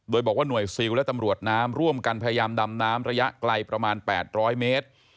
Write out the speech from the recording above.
โดยบอกว่าหน่วยซิลและตำรวจน้ำร่วมกันพยายามดำน้ำระยะไกลประมาณ๘๐๐เมตร